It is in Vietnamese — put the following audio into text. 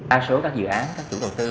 a số các dự án các chủ đầu tư